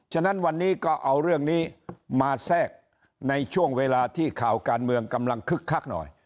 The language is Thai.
ฉะนั้นวันนี้ก็เอาเรื่องนี้มาแทรกในช่วงเวลาที่ข่าวการเมืองกำลังคึกคักหน่อย